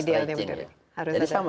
jadi harus ada stretching ya